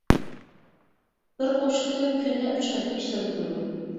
بىر قوشۇقتىن كۈندە ئۈچ قېتىم ئىشلىتىلىدۇ.